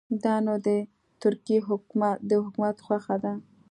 دا نو د ترکیې د حکومت خوښه ده.